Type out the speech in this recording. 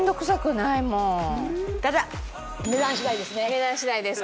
値段次第です